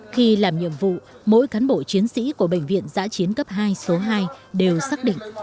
khi làm nhiệm vụ mỗi cán bộ chiến sĩ của bệnh viện giã chiến cấp hai số hai đều xác định